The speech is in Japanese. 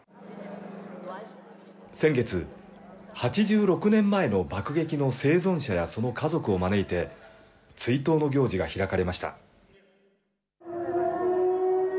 先月、８６年前の爆撃の生存者やその家族を招いて、追悼の行事が開かれました。